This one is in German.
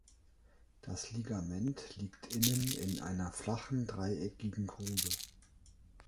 Das Ligament liegt innen in einer flachen, dreieckigen Grube.